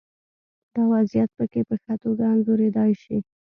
دا وضعیت پکې په ښه توګه انځورېدای شي.